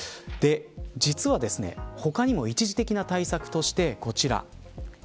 実は他にも一時的な対策として、こちら。